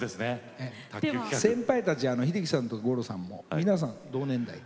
先輩たち、秀樹さんと五郎さんも同年代で。